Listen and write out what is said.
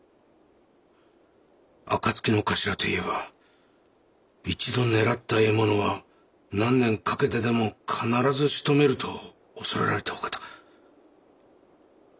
暁のお頭といえば一度狙った獲物は何年かけてでも必ずしとめると恐れられたお方。